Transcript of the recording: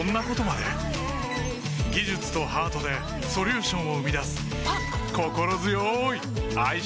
技術とハートでソリューションを生み出すあっ！